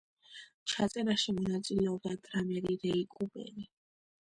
ჩაწერაში მონაწილეობდა დრამერი რეი კუპერი.